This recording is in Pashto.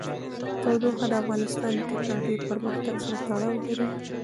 تودوخه د افغانستان د تکنالوژۍ پرمختګ سره تړاو لري.